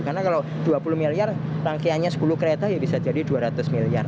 karena kalau rp dua puluh miliar rangkaiannya sepuluh kereta ya bisa jadi rp dua ratus miliar